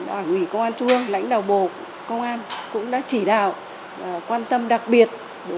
đảng ủy công an trung ương lãnh đạo bộ công an cũng đã chỉ đạo quan tâm đặc biệt